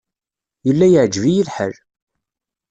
Yella yeɛjeb-iyi lḥal.